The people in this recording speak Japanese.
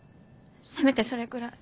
せめてそれくらい。